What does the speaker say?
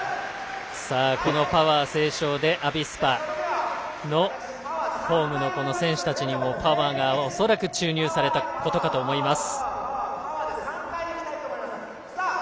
このパワー斉唱でアビスパのホームの選手たちにもパワーが注入されたことと思います。